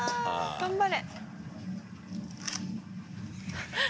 頑張れ。